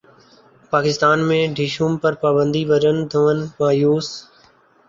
پاکستان میں ڈھشوم پر پابندی ورن دھون مایوس